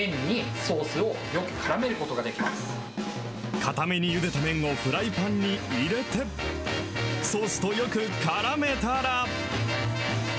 硬めにゆでた麺をフライパンに入れて、ソースとよくからめたら。